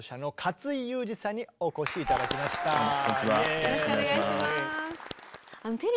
よろしくお願いします。